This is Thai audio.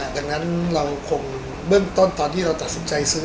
ดังนั้นเราคงเบื้องต้นตอนที่เราตัดสินใจซื้อ